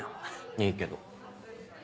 いいけど。